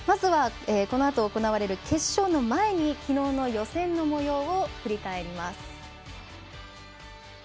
このあと行われる決勝の前にきのう予選の模様を振り返ります。